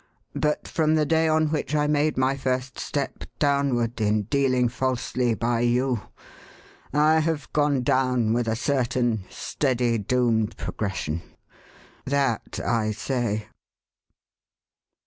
But from the day on which I made my first step downward, in 520 THE HAUN7TED MAN. dealing falsely by you, I have gone down with a certain, steady, doomed progression. That, I say.'